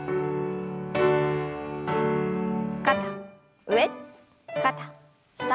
肩上肩下。